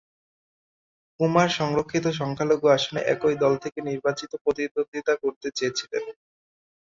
কুমার সংরক্ষিত সংখ্যালঘু আসনে একই দল থেকে নির্বাচনে প্রতিদ্বন্দ্বিতা করতে চেয়েছিলেন।